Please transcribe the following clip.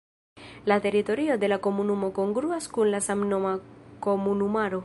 La teritorio de la komunumo kongruas kun la samnoma komunumaro.